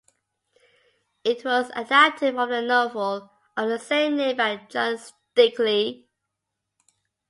It was adapted from the novel of the same name by John Steakley.